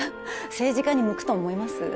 政治家に向くと思います？